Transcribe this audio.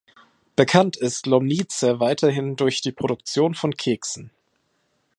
Bekannt ist Lomnice weiterhin durch die Produktion von Keksen.